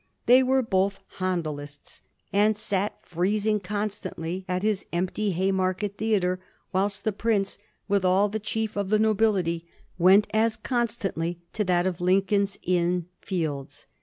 They were both Handelists, ^'and sat freezing •onsta^tly at his empty Haymarket opera, whilst the prince, with all the chief of the nobility, went as con* Btantly to that of Lincoln's Inn Fields."